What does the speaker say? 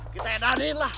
kita edahin lah